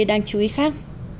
đang chú ý khác